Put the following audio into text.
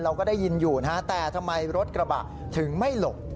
เราก็ได้ยินอยู่นะฮะแต่ทำไมรถกระบะถึงไม่หลบ